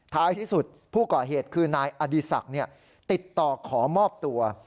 ท้ายที่สุดผู้ก่อเหตุคือนายอดีศักดิ์ติดต่อขอมอบตัว